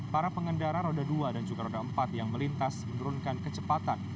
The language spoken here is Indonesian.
para pengendara roda dua dan juga roda empat yang melintas menurunkan kecepatan